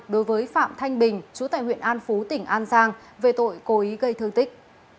đối với phạm thanh bình chú tại huyện an phú tỉnh an giang về tội cố ý gây thương tích